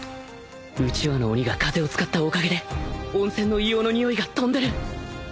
うちわの鬼が風を使ったおかげで温泉の硫黄のにおいが飛んでる